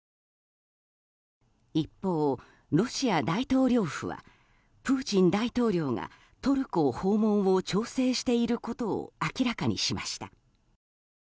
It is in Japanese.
一方、ロシア大統領府はプーチン大統領がトルコ訪問を調整していることを明らかにしました。